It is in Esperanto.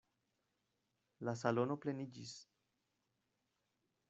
La salono pleniĝis.